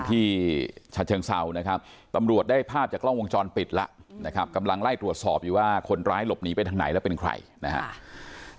ฉะเชิงเศร้านะครับตำรวจได้ภาพจากกล้องวงจรปิดแล้วนะครับกำลังไล่ตรวจสอบอยู่ว่าคนร้ายหลบหนีไปทางไหนแล้วเป็นใครนะครับ